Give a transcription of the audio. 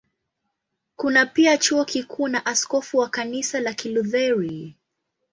Kuna pia Chuo Kikuu na askofu wa Kanisa la Kilutheri.